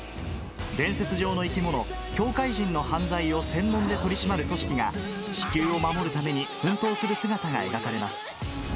伝説上の生き物、境界人の犯罪を専門で取り締まる組織が、地球を守るために奮闘する姿が描かれます。